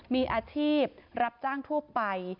มีอาชีพรับจ้างทั่วไป